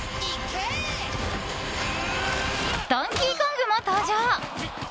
ドンキーコングも登場。